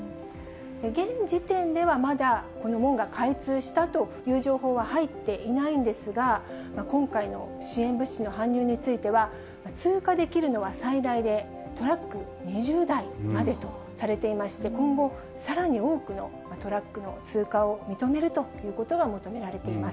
現時点ではまだこの門が開通したという情報は入っていないんですが、今回の支援物資の搬入については、通過できるのは、最大でトラック２０台までとされていまして、今後、さらに多くのトラックの通過を認めるということが求められています。